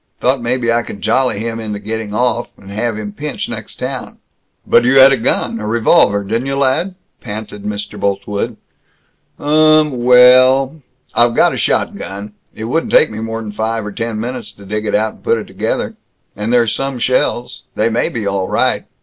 Thought maybe I could jolly him into getting off, and have him pinched, next town." "But you had a gun a revolver didn't you, lad?" panted Mr. Boltwood. "Um, wellllll I've got a shotgun. It wouldn't take me more 'n five or ten minutes to dig it out, and put it together. And there's some shells. They may be all right.